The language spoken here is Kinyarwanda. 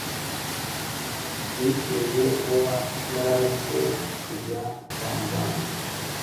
yicujije kuba yararetse kujya kwa muganga